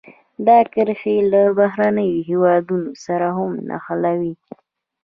دا کرښې له بهرنیو هېوادونو سره هم نښلوي.